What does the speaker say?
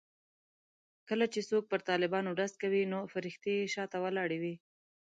کله چې څوک پر طالبانو ډز کوي نو فرښتې یې شا ته ولاړې وي.